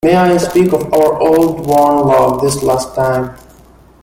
May I speak of our old, worn love, this last time?